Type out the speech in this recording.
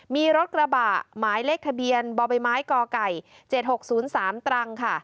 มีรถกระบะหมายเลขทะเบียนบบก๗๖๐๓ตรค่ะ